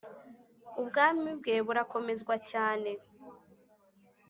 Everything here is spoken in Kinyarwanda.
ubwami bwe burakomezwa cyane.